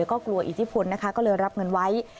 ก็กลัวอิทธิพลนะคะก็เลยรับเงินไว้